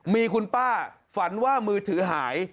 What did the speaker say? มีคุณป้าฝันว่ามือถือหาย